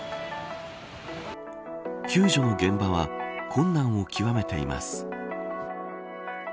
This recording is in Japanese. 救助の現場は困難をきわめています。